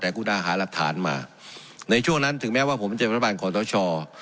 แต่กูได้หาหลักฐานมาในช่วงนั้นถึงแม้ว่าผมเป็นเจฟันบ้านของท้อช่อ